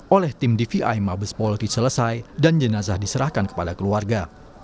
oleh tim dvi mabes polri selesai dan jenazah diserahkan kepada keluarga